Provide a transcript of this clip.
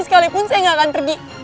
sekalipun saya nggak akan pergi